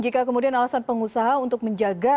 jika kemudian alasan pengusaha untuk menjaga